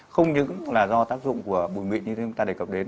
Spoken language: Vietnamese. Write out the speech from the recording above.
không những là do tác dụng của bụi mịn như chúng ta đề cập đến